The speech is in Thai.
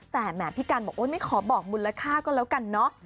แต่แหมพี่กันบอกโอ๊ยไม่ขอบอกมูลค่าก็แล้วกันเนาะ